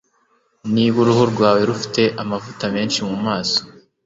Niba uruhu rwawe rufite amavuta menshi mu maso